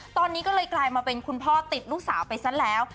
ตอนนี้ก็เลยกลายมาเป็นคุณพ่อติดลูกสาวไปซะแล้ว